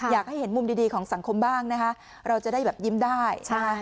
อยากให้เห็นมุมดีของสังคมบ้างนะคะเราจะได้แบบยิ้มได้นะคะ